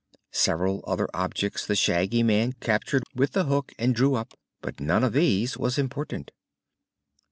Several other objects the Shaggy Man captured with the hook and drew up, but none of these was important.